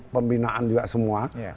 pembinaan juga semua